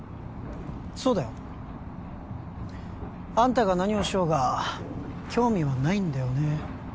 そうだよあんたが何をしようが興味はないんだよね